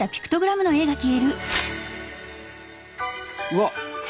うわっ怖。